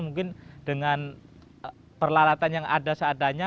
mungkin dengan peralatan yang ada seadanya